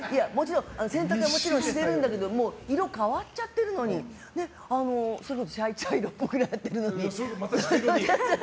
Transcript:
洗濯はもちろんしてるんだけど色変わっちゃってるのにそれこそ茶色っぽくなってるのに。